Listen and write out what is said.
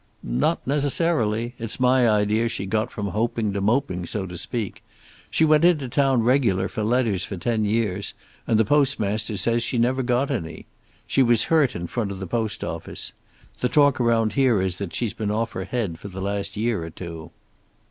"Not necessarily. It's my idea she got from hoping to moping, so to speak. She went in to town regular for letters for ten years, and the postmaster says she never got any. She was hurt in front of the post office. The talk around here is that she's been off her head for the last year or two."